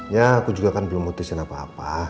ya aku juga kan belum memutuskan apa apa